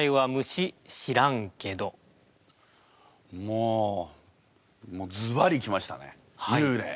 もうもうずばり来ましたね「幽霊」。